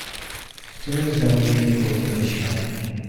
تو نمی توانی این رکورد را بشکنی.